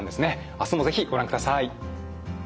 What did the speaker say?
あすも是非ご覧ください。